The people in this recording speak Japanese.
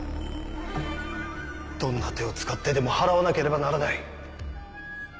どんな手を使ってでも祓わなければならない。